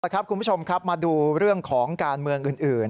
คุณผู้ชมครับมาดูเรื่องของการเมืองอื่น